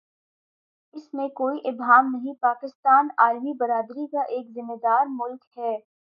اس میں کوئی ابہام نہیں پاکستان عالمی برادری کا ایک ذمہ دارملک ہے۔